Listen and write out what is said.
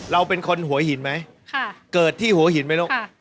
เราเป็นคนหัวหินไหมเกิดที่หัวหินไหมลูก